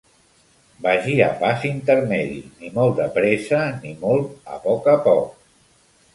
Vagi a pas intermedi, ni molt de pressa ni molt a poc a poc.